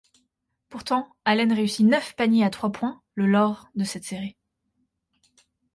Pourtant, Allen réussit neuf paniers à trois points le lors de cette série.